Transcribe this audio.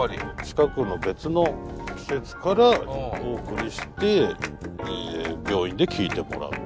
近くの別の施設からお送りして病院で聴いてもらう。